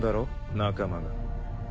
仲間が。